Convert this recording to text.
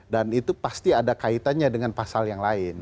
dan itu pasti ada kaitannya dengan pasal yang lain